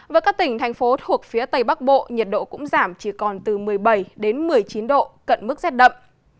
với các tỉnh thành phố thuộc phía tây bắc bộ nhiệt độ cũng giảm chỉ còn từ một mươi bảy đến một mươi chín độ cận mức rét đậm